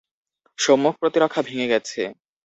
সম্মুখ প্রতিরক্ষা ভেঙ্গে গেছে!